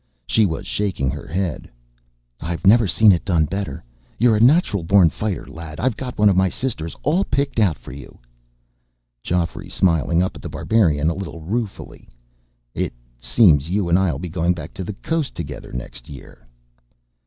She was shaking her head. "I've never seen it done better. You're a natural born fighter, lad. I've got one of my sisters all picked out for you." Geoffrey smiled up at The Barbarian, a little ruefully. "It seems you and I'll be going back to the coast together, next year."